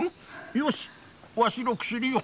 よしわしの薬を。